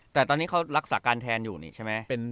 แต่ตอนนี้เขารักษาการแทนอยู่นี่ใช่ไหม